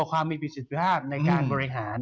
ความมีประสิทธิภาพในการบริหาร